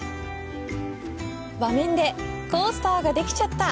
和綿でコースターができちゃった！